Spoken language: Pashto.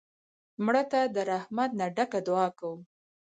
مړه ته د رحمت نه ډکه دعا کوو